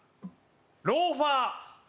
ローファー。